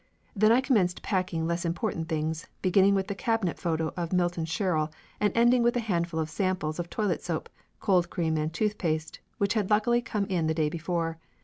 Then I commenced packing less important things, beginning with the cabinet photo of Milton Sherrill and ending with a handful of samples of toilet soap, cold cream and tooth paste which had luckily come in the day before.